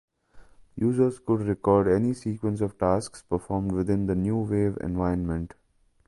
Users could record any sequence of tasks performed within the NewWave environment.